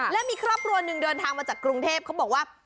และมีครอบครัวหนึ่งเดินทางมาจากกรุงเทพเขาบอกว่า